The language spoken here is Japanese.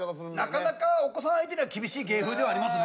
なかなかお子さん相手には厳しい芸風ではありますな。